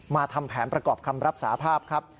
ทำแผนประกอบคำรับสาภาพครับ